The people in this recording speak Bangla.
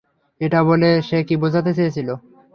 এটা বলে সে কী বোঝাতে চেয়েছিল?